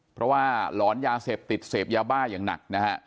เพราะว่าหลอนยาเสพติดเสพยาบ้าอย่างหนักนะฮะ